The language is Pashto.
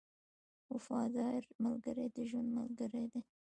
• وفادار ملګری د ژوند ملګری دی.